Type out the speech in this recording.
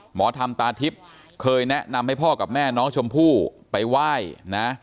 หมอธรรมตาทิพย์เคยแนะนำให้พ่อกับแม่น้องชมพู่ไปไหว้นะ